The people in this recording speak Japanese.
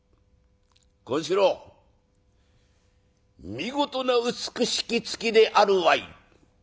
「権四郎見事な美しき月であるわい」。